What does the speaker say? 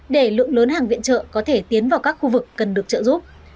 để lượng lớn hàng viện trợ có thể tiến vào các khu vực cần được trợ giúp